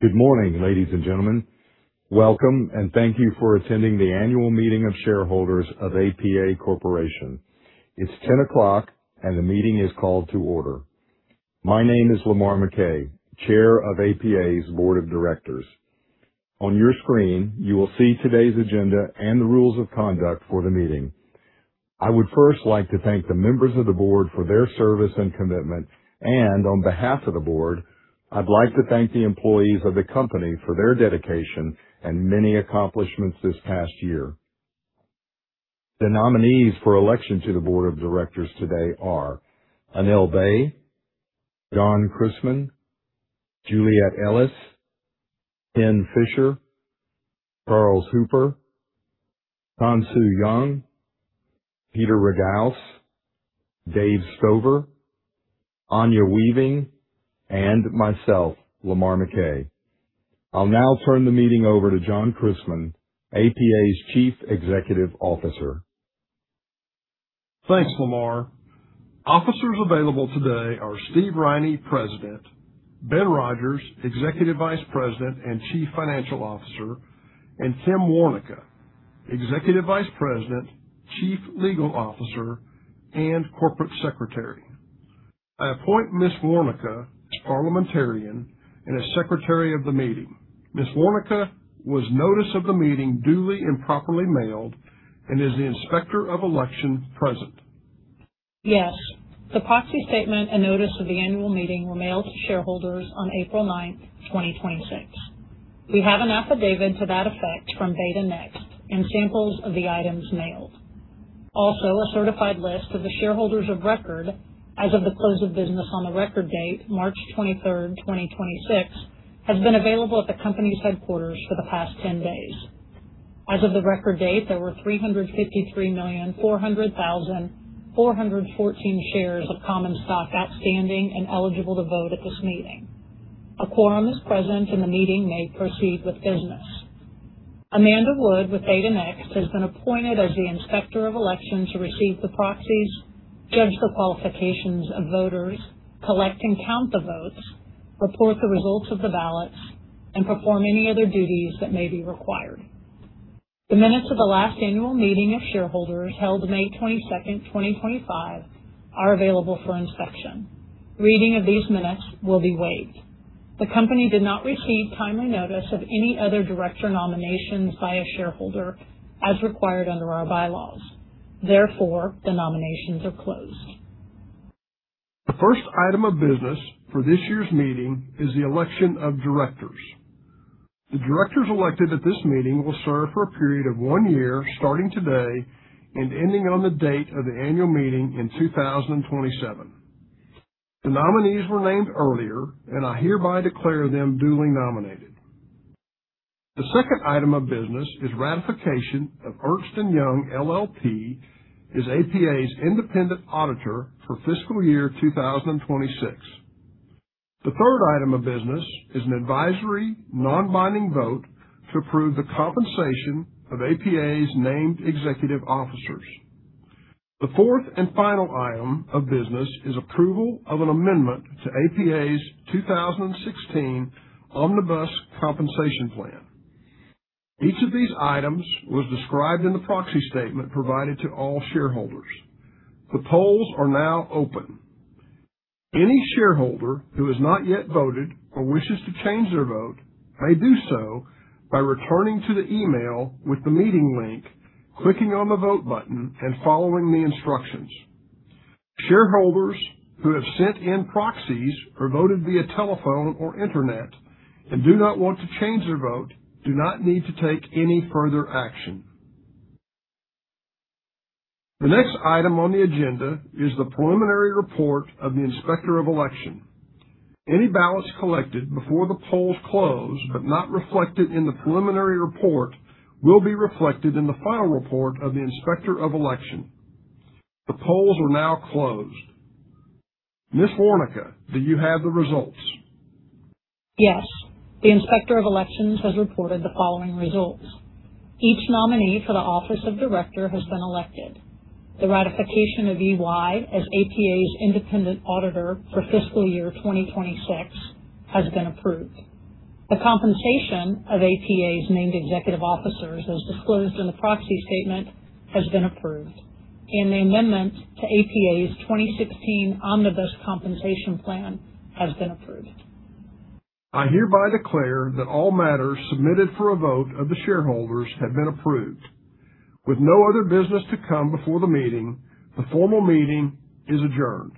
Good morning, ladies and gentlemen. Welcome, and thank you for attending the annual meeting of shareholders of APA Corporation. It's 10 o'clock, and the meeting is called to order. My name is Lamar McKay, Chair of APA's Board of Directors. On your screen, you will see today's agenda and the rules of conduct for the meeting. I would first like to thank the members of the board for their service and commitment, and on behalf of the board, I'd like to thank the employees of the company for their dedication and many accomplishments this past year. The nominees for election to the board of directors today are Annell Bay, John Christmann, Juliet S. Ellis, Kenneth M. Fisher, Charles W. Hooper, Chansoo Joung, Peter Ragauss, David L. Stover, Anya Weaving, and myself, Lamar McKay. I'll now turn the meeting over to John Christmann, APA's Chief Executive Officer. Thanks, Lamar. Officers available today are Steve Riney, President, Ben Rodgers, Executive Vice President and Chief Financial Officer, and Kim O. Warnica, Executive Vice President, Chief Legal Officer, and Corporate Secretary. I appoint Ms. Warnica as parliamentarian and as secretary of the meeting. Ms. Warnica, was notice of the meeting duly and properly mailed and is the inspector of election present? Yes. The proxy statement and notice of the annual meeting were mailed to shareholders on April 9th, 2026. We have an affidavit to that effect from Votenext and samples of the items mailed. A certified list of the shareholders of record as of the close of business on the record date, March 23rd, 2026, has been available at the company's headquarters for the past 10 days. As of the record date, there were 353,400,414 shares of common stock outstanding and eligible to vote at this meeting. A quorum is present and the meeting may proceed with business. Amanda Wood with Votenext has been appointed as the inspector of election to receive the proxies, judge the qualifications of voters, collect and count the votes, report the results of the ballots, and perform any other duties that may be required. The minutes of the last annual meeting of shareholders held May 22nd, 2025, are available for inspection. Reading of these minutes will be waived. The company did not receive timely notice of any other director nominations by a shareholder, as required under our bylaws. Therefore, the nominations are closed. The first item of business for this year's meeting is the election of directors. The directors elected at this meeting will serve for a period of one year starting today and ending on the date of the annual meeting in 2027. The nominees were named earlier, and I hereby declare them duly nominated. The second item of business is ratification of Ernst & Young LLP as APA's independent auditor for fiscal year 2026. The third item of business is an advisory, non-binding vote to approve the compensation of APA's named executive officers. The fourth and final item of business is approval of an amendment to APA's 2016 Omnibus Compensation Plan. Each of these items was described in the proxy statement provided to all shareholders. The polls are now open. Any shareholder who has not yet voted or wishes to change their vote may do so by returning to the email with the meeting link, clicking on the vote button and following the instructions. Shareholders who have sent in proxies or voted via telephone or internet and do not want to change their vote do not need to take any further action. The next item on the agenda is the preliminary report of the inspector of election. Any ballots collected before the polls close but not reflected in the preliminary report will be reflected in the final report of the inspector of election. The polls are now closed. Ms. Warnica, do you have the results? Yes. The inspector of elections has reported the following results. Each nominee for the office of director has been elected. The ratification of EY as APA's independent auditor for fiscal year 2026 has been approved. The compensation of APA's named executive officers, as disclosed in the proxy statement, has been approved. The amendment to APA's 2016 Omnibus Compensation Plan has been approved. I hereby declare that all matters submitted for a vote of the shareholders have been approved. With no other business to come before the meeting, the formal meeting is adjourned.